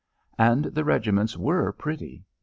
And the regiments were pretty.